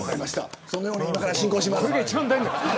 そのように進行します。